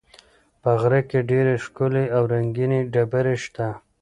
په غره کې ډېرې ښکلې او رنګینې ډبرې شته.